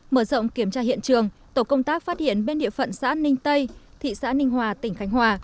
mở rộng kiểm tra hiện trường tổ công tác phát hiện bên địa phận xã ninh tây thị xã ninh hòa tỉnh khánh hòa